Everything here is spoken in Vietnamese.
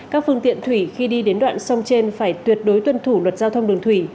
các phương tiện thủy khi đi đến đoạn sông trên phải tuyệt đối tuân thủ luật giao thông đường thủy